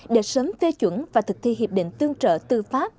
để sớm phê chuẩn và thực thi hiệp định tương trợ tư pháp